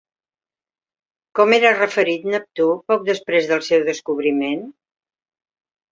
Com era referit Neptú poc després del seu descobriment?